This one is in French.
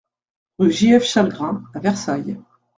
Rue J F Chalgrin à Versailles